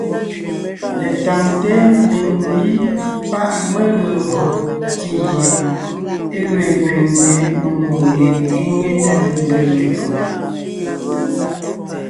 Letáŋte ḿbiŋ ḿbí páʼ mé gee gÿo ntí gie e ge kẅiŋte mengwòŋ mie é nyé tá ne ńgee mvfò.